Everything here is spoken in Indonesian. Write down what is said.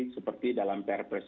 seperti dalam perpresiden